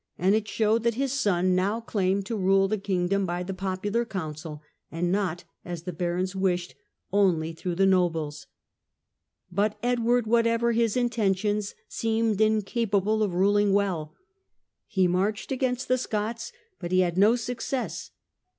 and it showed that his son now claimed to rule the kingdom by the popular counsel, and not, as the barons wished, only through the nobles. But Edward, whatever his intentions, seemed incapable of ruling well. He marched against the Scots, but he His incapacity had no success.